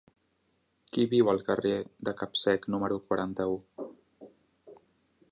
Qui viu al carrer de Capsec número quaranta-u?